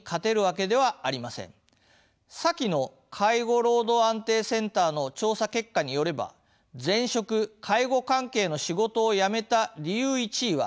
先の介護労働安定センターの調査結果によれば前職介護関係の仕事を辞めた理由１位は「人間関係の問題」